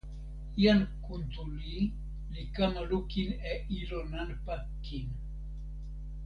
jan Kuntuli li kama lukin e ilo nanpa kin.